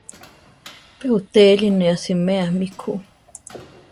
Pe uʼtéli ne asiméa mi ku.